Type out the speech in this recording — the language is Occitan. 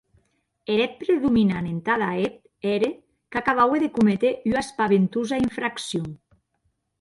Eth hèt predominant entada eth ère, qu’acabaue de cométer ua espaventosa infraccion.